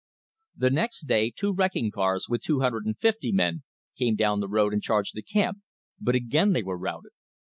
The next day two wrecking cars, with 250 men, came down the road and charged the camp, but again they were routed.